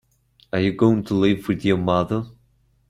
Are you going to live with your mother?